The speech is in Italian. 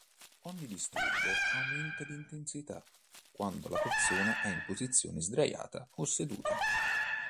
Ogni disturbo aumenta di intensità quando la persona è in posizione sdraiata o seduta.